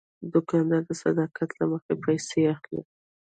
دوکاندار د صداقت له مخې پیسې اخلي.